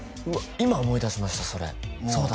今思い出しましたそれそうだ